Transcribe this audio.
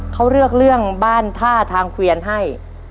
เขาเลือกเรื่องบ้านท่าทางเกวียนให้